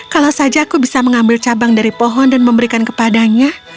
kalau saja aku bisa mengambil cabang dari pohon dan memberikan kepadanya